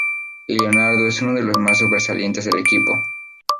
Y Leonardo es uno de los más sobresalientes del equipo.